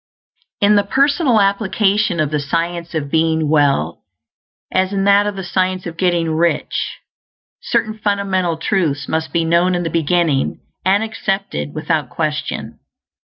In the personal application of the Science of Being Well, as in that of the Science of Getting Rich, certain fundamental truths must be known in the beginning, and accepted without question.